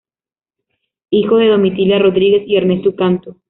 Hijo de Domitila Rodríguez y Ernesto Cantú.